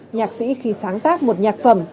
nhạc sĩ khi sáng tác một nhạc phẩm